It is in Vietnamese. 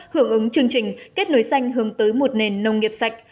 hưởng ứng chương trình kết nối xanh hướng tới một nền nông nghiệp sạch